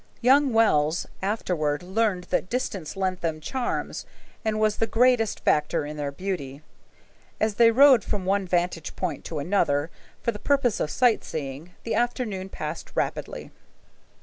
Young Wells afterward learned that distance lent them charms and was the greatest factor in their beauty. As they rode from one vantage point to another for the purpose of sight seeing, the afternoon passed rapidly.